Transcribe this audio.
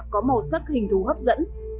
có màu sắc hình thú hấp dẫn